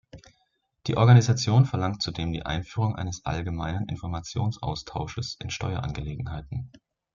Die Organisation verlangt zudem die Einführung eines allgemeinen Informationsaustausches in Steuerangelegenheiten.